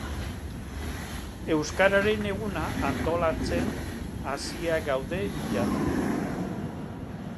Euskararen eguna antolatzen hasiak gaude jada.